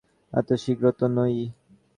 এত শীঘ্র তো নয়ই।